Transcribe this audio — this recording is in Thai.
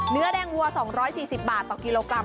เนื้อแดงวัว๒๔๐บาทต่อกิโลกรัม